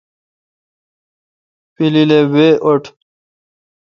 پلیل اے وہ اٹھ۔